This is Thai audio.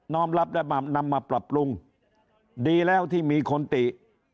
นอมรับนำมาปรับปรุงดีแล้วที่มีคนตี